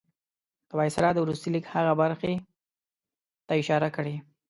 د وایسرا د وروستي لیک هغې برخې ته اشاره کړې.